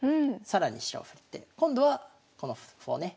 更に飛車を振って今度はこの歩をね